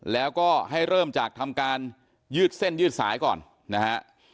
แล้วก็ให้เริ่มจากทำการยืดเส้นยืดสายก่อนนะฮะ